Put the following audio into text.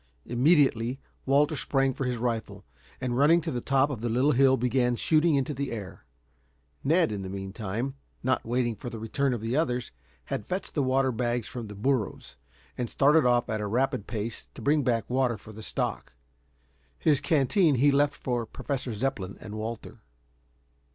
Immediately Walter sprang for his rifle, and running to the top of the little hill began shooting into the air. Ned, in the meantime, not waiting for the return of the others, had fetched the water bags from the burros, and started off at a rapid pace to bring back water for the stock. His canteen he left for Professor Zepplin and Walter.